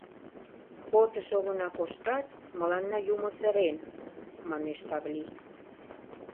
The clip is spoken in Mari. «Отыш огына коштат, мыланна юмо сырен», — манеш Савли.